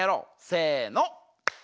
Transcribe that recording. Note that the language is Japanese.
せの！